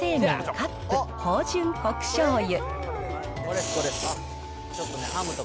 カップ芳醇こく醤油。